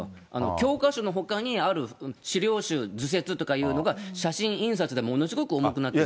教科書のほかに、ある資料集、図説とかいうのが、写真印刷でものすごく重くなってる。